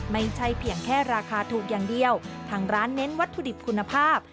ไม่ใช่เพียงแค่ราคาถูกอย่างเดียวทางร้านเน้นวัตถุดิบคุณภาพ